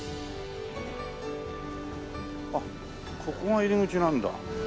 あっここが入り口なんだ。